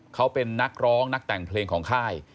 เขาเป็นนักร้องนักแต่งเพลงของค่าย